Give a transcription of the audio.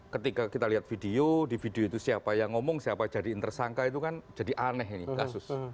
ketika kita lihat video di video itu siapa yang ngomong siapa jadiin tersangka itu kan jadi aneh ini kasus